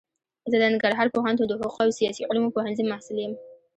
زه د ننګرهار پوهنتون د حقوقو او سیاسي علومو پوهنځي محصل يم.